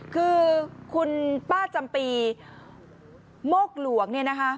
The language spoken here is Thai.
คือคุณป้าจำปีโมกหลวง